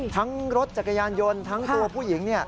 รถจักรยานยนต์ทั้งตัวผู้หญิง